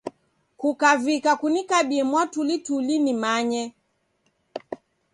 Kukavika kunikabie mwatulituli nimanye.